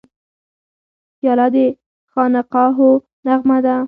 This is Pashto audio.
پیاله د خانقاهو نغمه ده.